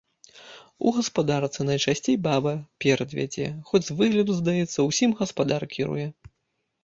У гаспадарцы найчасцей баба перад вядзе, хоць з выгляду здаецца, усім гаспадар кіруе.